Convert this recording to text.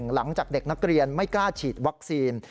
หลังจากเด็กนักเรียนไม่กล้าฉีดวัคซีน